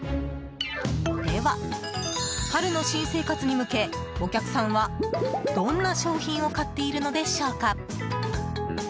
では、春の新生活に向けお客さんはどんな商品を買っているのでしょうか。